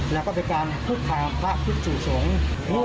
แล้วก็เป็นการพูดความพระพุทธสู่สงฆ์